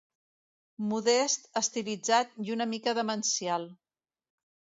Modest, estilitzat i una mica demencial.